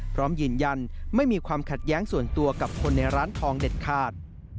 พร้อมยืนยันไม่มีความขัดแย้งส่วนตัวกับคนในร้านทองเด็ดขาด